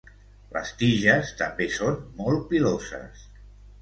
Les tiges també són molt piloses.